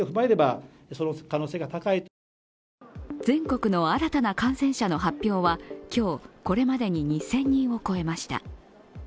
全国の新たな感染者の発表は今日、これまでに２０００人を超えました。